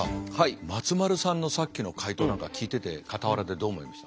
松丸さんのさっきの解答なんか聞いてて傍らでどう思いました？